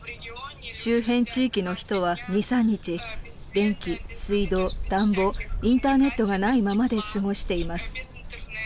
周辺地域の人は２、３日、電気、水道、暖房、インターネットがないままで過ごしています。